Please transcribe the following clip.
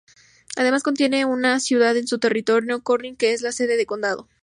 Además, contiene una ciudad en su territorio, Corning, que es la sede de condado.